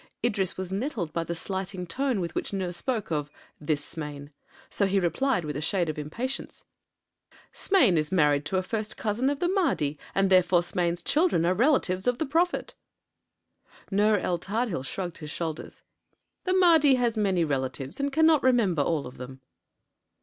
Idris was nettled by the slighting tone with which Nur spoke of "this Smain," so he replied with a shade of impatience: "Smain is married to a first cousin of the Mahdi, and therefore Smain's children are relatives of the prophet." Nur el Tadhil shrugged his shoulders. "The Mahdi has many relatives and cannot remember all of them."